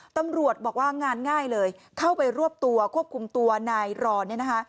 ตำรวจบอกว่างานง่ายเลยเข้าไปรวบตัวควบคุมตัวนายรอนเนี่ยนะคะ